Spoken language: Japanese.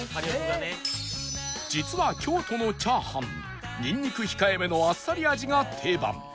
実は京都のチャーハンニンニク控えめのあっさり味が定番